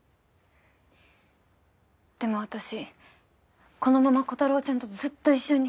でも私このままコタローちゃんとずっと一緒に。